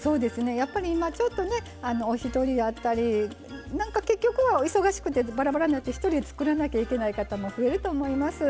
やっぱり今、ちょっとおひとりやったりなんか、結局は忙しくてばらばらになって一人で作らなきゃいけない方も増えると思います。